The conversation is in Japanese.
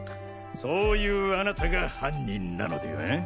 そういうあなたが犯人なのでは？